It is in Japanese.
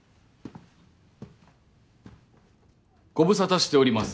ご無沙汰しております